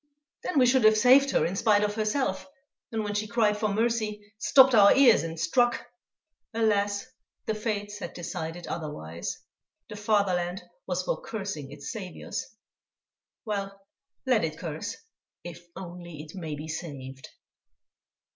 Then we should have saved her in spite of herself, and when she cried for mercy, stopped our ears and struck! Alas! the fates had decided otherwise; the fatherland was for cursing its saviours. Well, let it curse, if only it may be saved!